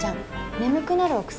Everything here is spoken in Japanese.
眠くなるお薬